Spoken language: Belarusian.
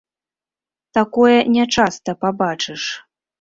Такое не часта пабачыш.